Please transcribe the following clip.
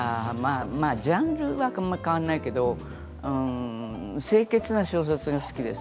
ジャンルは変わらないけど清潔な小説が好きです。